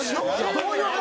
どういう話？